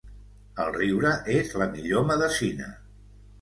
El riure és la millor medecina.